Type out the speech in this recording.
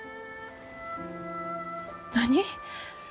何？